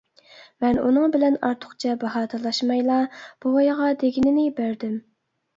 مەن ئۇنىڭ بىلەن ئارتۇقچە باھا تالاشمايلا بوۋايغا دېگىنىنى بەردىم.